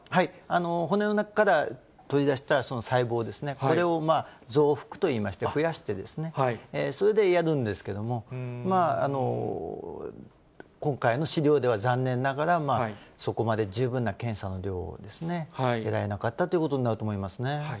骨の中から取り出したその細胞ですね、これを増幅といいまして、増やして、それでやるんですけれども、今回の試料では残念ながら、そこまで十分な検査の量を得られなかったということになると思いますね。